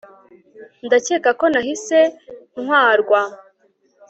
ndakeka ko nahise ntwarwa